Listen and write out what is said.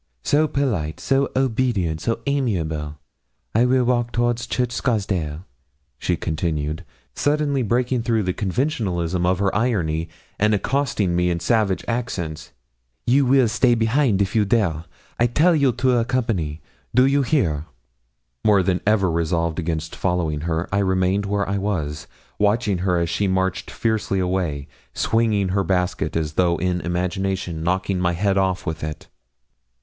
So polite, so obedient, so amiable! I will walk towards Church Scarsdale,' she continued, suddenly breaking through the conventionalism of her irony, and accosting me in savage accents. 'You weel stay behind if you dare. I tell you to accompany do you hear?' More than ever resolved against following her, I remained where I was, watching her as she marched fiercely away, swinging her basket as though in imagination knocking my head off with it.